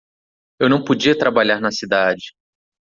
Eu não podia trabalhar na cidade.